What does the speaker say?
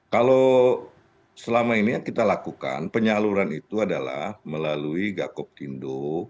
kalau selama ini yang kita lakukan penyaluran itu adalah melalui gakoptindo